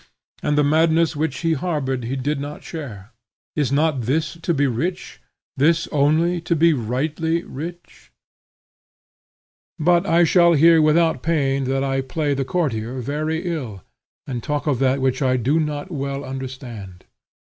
And the madness which he harbored he did not share. Is not this to be rich? this only to be rightly rich? But I shall hear without pain that I play the courtier very ill, and talk of that which I do not well understand.